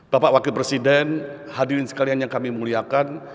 bapak wakil presiden hadirin sekalian yang kami muliakan